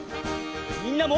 みんなも！